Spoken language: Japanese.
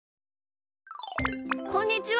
こんにちは！